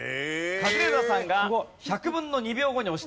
カズレーザーさんが１００分の２秒後に押してました。